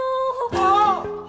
あっ！